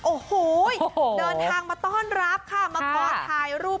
โอ้โหเดินทางมาต้อนรับค่ะมาขอถ่ายรูป